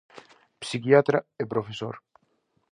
Psiquiatra e profesor.